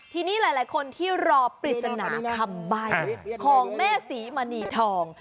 ทีนี้หลายคนที่รอปริศนาคำใบ้ของแม่ศรีมณีทอง